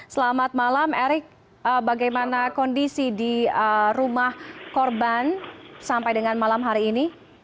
selamat malam erik bagaimana kondisi di rumah korban sampai dengan malam hari ini